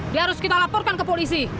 dia harus kita laporkan ke polisi